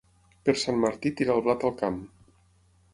Per Sant Martí, tira el blat al camp.